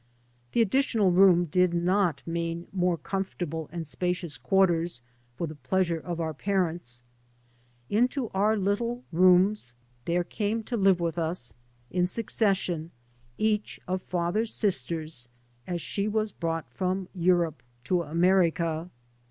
The additional room did not mean more com fortable and spacious quarters for the pleasure of my parents. Into our little rooms there came to live with us, in succes sion, each of father's sisters as she was brought from Europe to America.